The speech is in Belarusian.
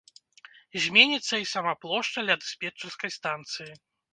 Зменіцца і сама плошча ля дыспетчарскай станцыі.